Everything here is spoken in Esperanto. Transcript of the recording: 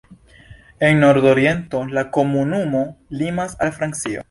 En nordoriento la komunumo limas al Francio.